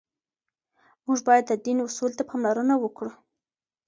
موږ باید د دین اصولو ته پاملرنه وکړو.